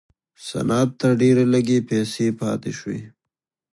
صنعت ته ډېرې لږې پیسې پاتې شوې.